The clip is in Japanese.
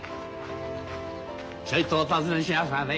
ちょいとお尋ねしますがね